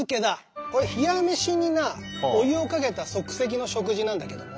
これ冷や飯になお湯をかけた即席の食事なんだけども。